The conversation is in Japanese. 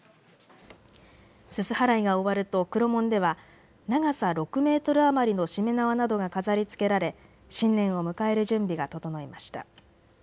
すす払いが終わると黒門では長さ６メートル余りのしめ縄などが飾りつけられ新年を迎える準備が整いました。